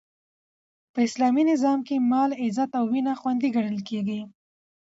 په اسلامي نظام کښي مال، عزت او وینه خوندي ګڼل کیږي.